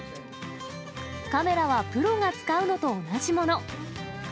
カメラはプロが使うのと同じもの。